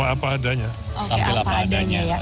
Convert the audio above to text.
oke apa adanya ya